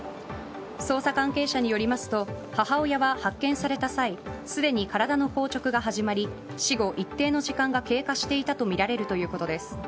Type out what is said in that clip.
捜査関係者によりますと母親は発見された際すでに体の硬直が始まり死後、一定の時間が経過していたとみられるということです。